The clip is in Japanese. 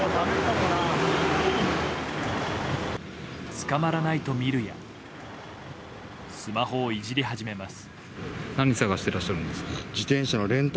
つかまらないとみるやスマホをいじり始めます。